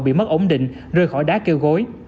bị mất ổn định rơi khỏi đá kêu gối